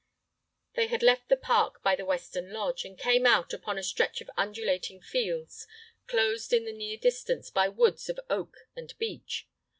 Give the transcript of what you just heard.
They had left the park by the western lodge, and came out upon a stretch of undulating fields closed in the near distance by woods of oak and beech.